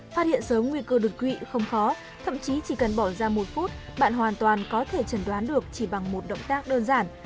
phát hiện sớm nguy cơ đột quỵ không khó thậm chí chỉ cần bỏ ra một phút bạn hoàn toàn có thể chẩn đoán được chỉ bằng một động tác đơn giản